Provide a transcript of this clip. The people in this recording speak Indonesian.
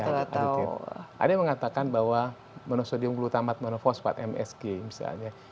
ada yang mengatakan bahwa monosodium glutamat monofosfat msg misalnya